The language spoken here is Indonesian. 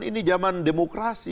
ini zaman demokrasi